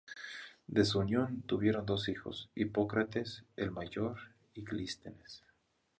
De su unión, tuvieron dos hijos, Hipócrates el Mayor y Clístenes.